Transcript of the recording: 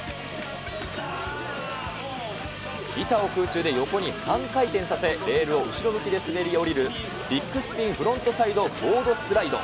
板を空中で横に半回転させ、レールを後ろ向きで滑り降りる、ピッグスピン・フロントサイド・ボードスライド。